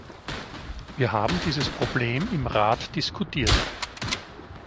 Wir haben dieses Problem im Rat diskutiert.